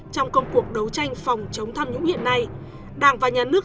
trong công cuộc đấu tranh phòng chống tham nhũng hiện nay đảng và nhà nước